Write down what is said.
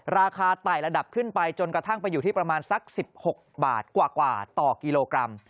ไต่ระดับขึ้นไปจนกระทั่งไปอยู่ที่ประมาณสัก๑๖บาทกว่าต่อกิโลกรัม